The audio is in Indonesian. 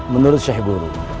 menurut syekh guru